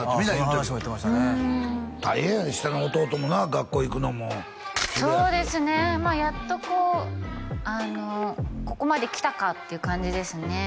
その話も言ってましたね大変やで下の弟もな学校行くのもそうですねやっとこうあのここまで来たかっていう感じですね